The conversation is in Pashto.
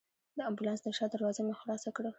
د امبولانس د شا دروازه مې خلاصه کړل.